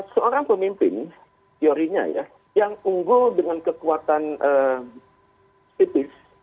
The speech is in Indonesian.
seorang pemimpin teorinya ya yang unggul dengan kekuatan tipis